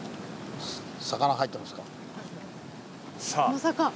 まさか。